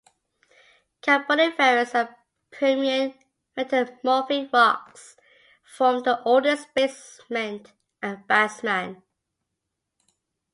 Carboniferous and Permian metamorphic rocks form the oldest basement at Bazman.